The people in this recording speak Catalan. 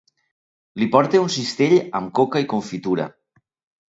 Li porto un cistell amb coca i confitura.